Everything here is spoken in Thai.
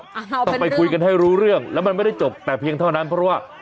เอาต้องไปคุยกันให้รู้เรื่องแล้วมันไม่ได้จบแต่เพียงเท่านั้นเพราะว่า